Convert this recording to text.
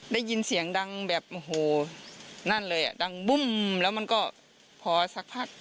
ได้ยินเสียงดังแบบโอ้โหนั่นเลยอ่ะดังบุ้มแล้วมันก็พอสักพัก